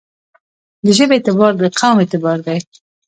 د ژبې اعتبار دقوم اعتبار دی.